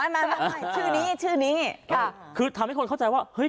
มาไม่ชื่อนี้ชื่อนี้ค่ะคือทำให้คนเข้าใจว่าเฮ้ย